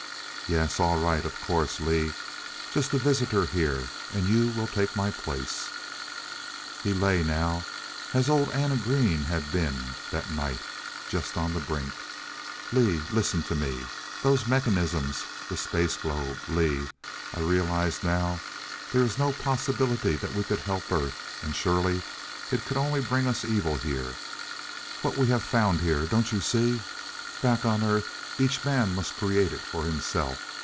"Yes. All right of course, Lee. Just a visitor here and you will take my place " He lay now as old Anna Green had been that night just on the brink. "Lee, listen to me those mechanisms the space globe Lee, I realize now there is no possibility that we could help Earth and surely it could only bring us evil here. What we have found here don't you see, back on Earth each man must create it for himself.